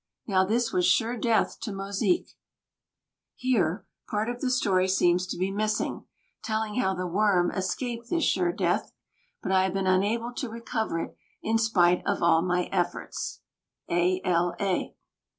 Now this was sure death to Mosique. (Here part of the story seems to be missing, telling how the Worm escaped this "sure death," but I have been unable to recover it, in spite of all my efforts. A. L. A.)